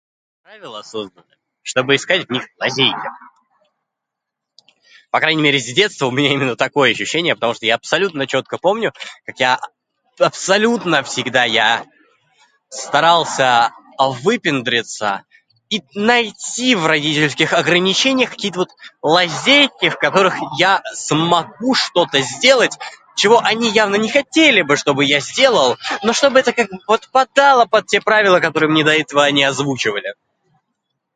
Правила созданы, чтобы искать в них лазейки. По крайней мере с детства у меня именно такое ощущение, потому что я абсолютно чётко помню, как я а- абсолютно всегда я старался выпендриться и найти в родительских ограничениях какие-то вот лазейки, в которых я смогу что-то сделать, чего они явно не хотели бы, чтобы я сделал, но чтобы это как бы подпадало под те правила, которые мне до этого они озвучивали.